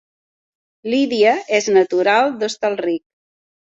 Lídia és natural d'Hostalric